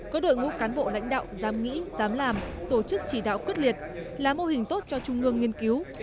có đội ngũ cán bộ lãnh đạo dám nghĩ dám làm tổ chức chỉ đạo quyết liệt là mô hình tốt cho trung ương nghiên cứu